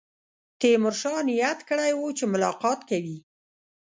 تیمورشاه نیت کړی وو چې ملاقات کوي.